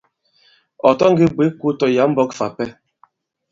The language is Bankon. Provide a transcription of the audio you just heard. Ɔ̀ ta ngē bwě kō tɔ̀ yǎ i mbɔ̄k fà ipɛ.